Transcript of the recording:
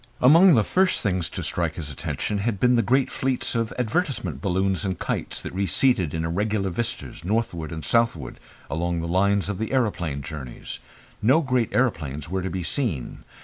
Among the first things to strike his attention had been the great fleets of advertisement balloons and kites that receded in irregular vistas northward and southward along the lines of the aeroplane journeys. No great aeroplanes were to be seen.